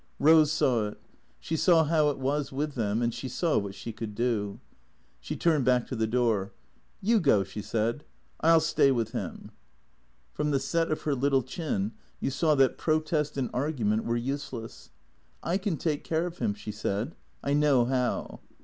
Eose saw it. She saw how it was with them, and she saw what she could do. She turned back to the door. " You go/' she said. " I '11 stay with him." From the set of her little chin you saw that protest and argu ment were useless. " I can take care of him," she said. " I know how."